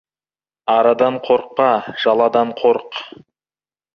Арадан қорықпа, жаладан қорық.